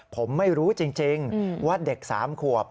ผมไม่รู้จริงว่าเด็ก๓ขวบ